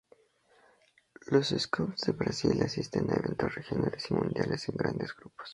Los Scouts de Brasil asisten a eventos regionales y mundiales en grandes grupos.